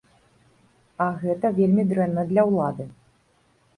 А гэта вельмі дрэнна для ўлады.